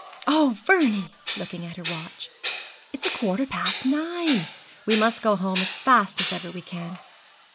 Oh, Vernie,' looking at her watch, 'it's a quarter past nine! We must go home as fast as ever we can.'